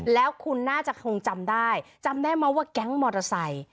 แล้วคุณน่าจะคงจำได้จำได้ไหมว่าแก๊งมอเตอร์ไซค์